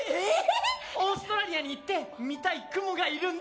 オーストラリアに行って見たいクモがいるんだ！